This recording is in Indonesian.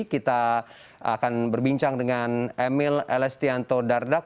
kita akan berbincang dengan emil elestianto dardak